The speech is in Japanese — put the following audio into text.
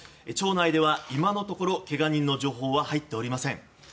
町内では今のところけが人の情報は入っておりません。